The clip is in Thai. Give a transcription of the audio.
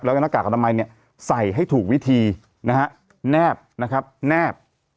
แล้วก็หน้ากากอนามัยเนี่ยใส่ให้ถูกวิธีนะฮะแนบนะครับแนบ